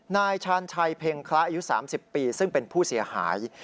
นายชาญชัยเพ็งคละอายุ๓๐ปีซึ่งเป็นผู้เสียหาย